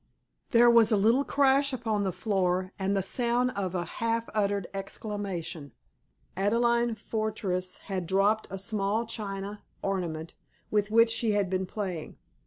There was a little crash upon the floor, and the sound of a half uttered exclamation. Adelaide Fortress had dropped a small china ornament with which she had been playing.